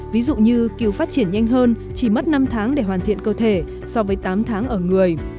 ví dụ như kiểu phát triển nhanh hơn chỉ mất năm tháng để hoàn thiện cơ thể so với tám tháng ở người